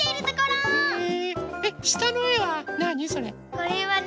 これはね